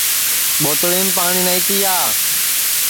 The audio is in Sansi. ٻوتلِیم پاٹؔی نائی تِیا